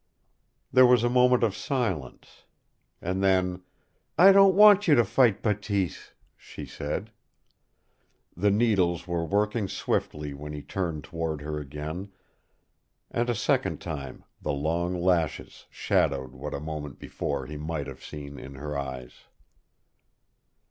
There was a moment of silence. And then, "I don't want you to fight Bateese," she said. The needles were working swiftly when he turned toward her again, and a second time the long lashes shadowed what a moment before he might have seen in her eyes.